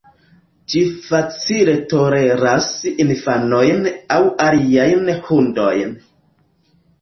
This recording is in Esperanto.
Ĝi facile toleras infanojn aŭ aliajn hundojn.